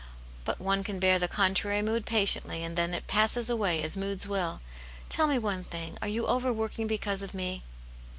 " But one can bear the contrary mood patiently, and then it passes away, as moods will. Tell me one thing, are you over working because of me?"